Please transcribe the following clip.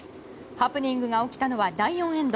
ハプニングが起きたのは第４エンド。